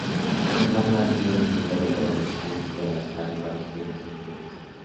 El manga ha sido licenciado para el lanzamiento internacional en varios idiomas y regiones.